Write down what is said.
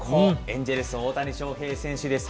エンジェルス、大谷翔平選手です。